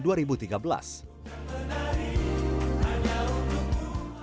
menari hanya untuk ku